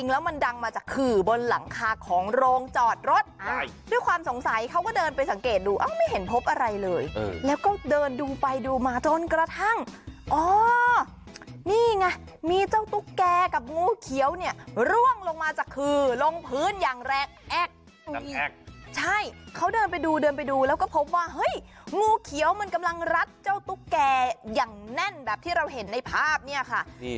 อย่างแรกแอ๊กใช่เขาเดินไปดูแล้วก็พบว่าเฮ้ยงูเขียวมันกำลังรัดเจ้าตุ๊กแก่อย่างแน่นแบบที่เราเห็นในภาพเนี่ยค่ะนี่